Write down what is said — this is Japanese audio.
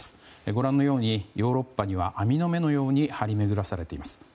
ご覧のようにヨーロッパには網の目のように張り巡らされています。